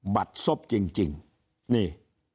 บัตรซบจริงนี่